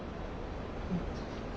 うん。